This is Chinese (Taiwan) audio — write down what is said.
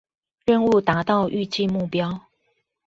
任務達到預計目標